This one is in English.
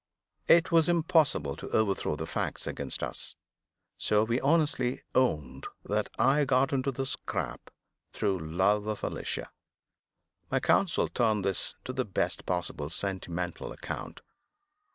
It was impossible to overthrow the facts against us; so we honestly owned that I got into the scrape through love for Alicia. My counsel turned this to the best possible sentimental account.